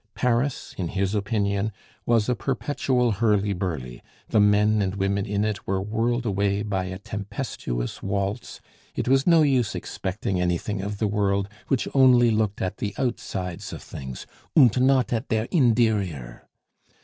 Paris, in his opinion, was a perpetual hurly burly, the men and women in it were whirled away by a tempestuous waltz; it was no use expecting anything of the world, which only looked at the outsides of things, "und not at der inderior."